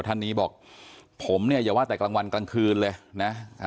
ท่านนี้บอกผมเนี่ยอย่าว่าแต่กลางวันกลางคืนเลยนะ